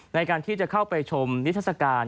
ในการที่จะเข้าไปชมนิทัศกาล